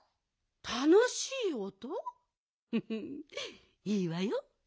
フフいいわよ。